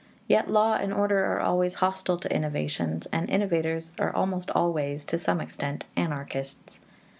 Yet law and order are always hostile to innovations, and innovators are almost always, to some extent, anarchists.